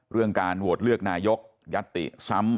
เรื่องการโหวตเลือกนายกยัตติซ้ำ